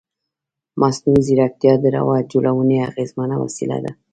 مصنوعي ځیرکتیا د روایت جوړونې اغېزمنه وسیله ده.